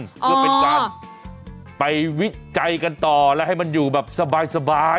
เพื่อเป็นการไปวิจัยกันต่อและให้มันอยู่แบบสบาย